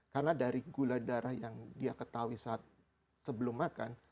karena dari gula darah yang dia ketahui saat sebelum makan